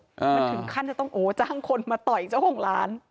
มันถึงขั้นจะต้องโอ้จ้างคนมาต่อยเจ้าของร้าน